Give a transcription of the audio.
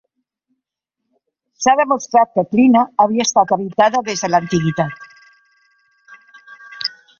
S'ha demostrat que Klina havia estat habitada des de l'antiguitat.